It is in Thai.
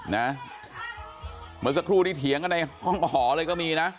เหมือนสักครู่ที่เถียงกันในห้องหอเลยก็มีนะ